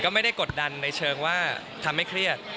ก็ไม่ได้กดดันในเชิงว่าทำให้เครียด